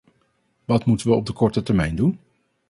Wat moeten we op de korte termijn doen?